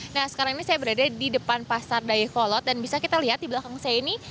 nah sekarang ini saya berada di depan pasar dayakolot dan bisa kita lihat di belakang saya ini